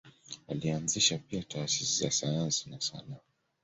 Alianzisha pia taasisi za sayansi na sanaa.